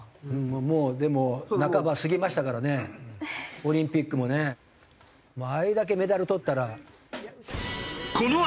もうでも半ば過ぎましたからねオリンピックもね。あれだけメダルとったら。